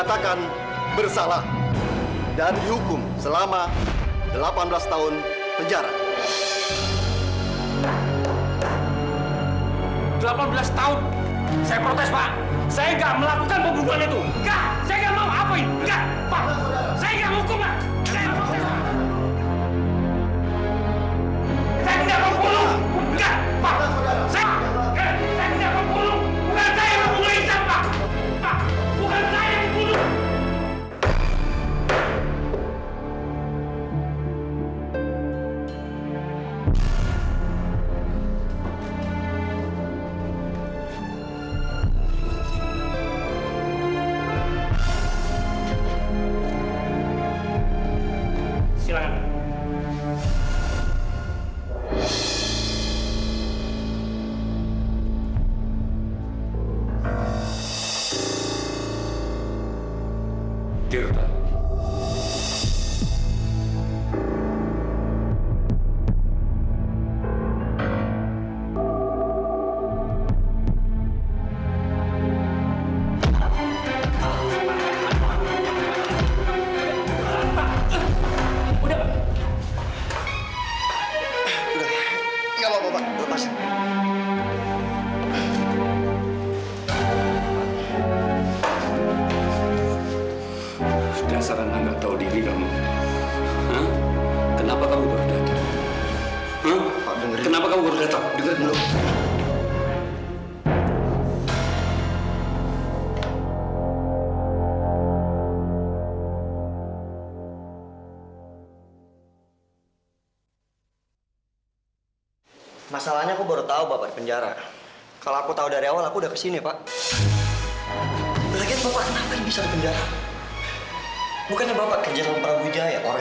sampai jumpa di video selanjutnya